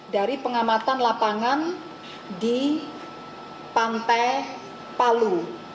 dari pengamatan lapangan di pantai palu